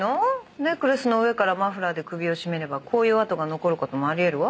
ネックレスの上からマフラーで首を絞めればこういう痕が残る事もあり得るわ。